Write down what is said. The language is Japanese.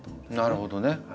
なるほどね。